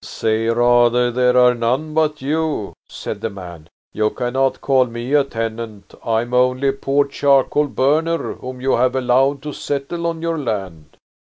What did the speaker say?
"Say rather there are none but you," said the man. "You cannot call me a tenant. I am only a poor charcoal burner whom you have allowed to settle on your land."